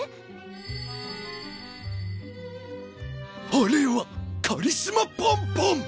あれはカリスマボンボン！？